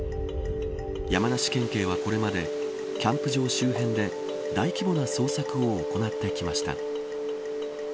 山梨県警は、これまでキャンプ場周辺で大規模な捜索を行ってきました。